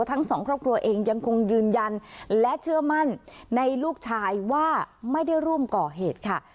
ทั้งสองครอบครัวเองยังคงยืนยันและเชื่อมั่นในลูกชายว่าไม่ได้ร่วมก่อเหตุค่ะ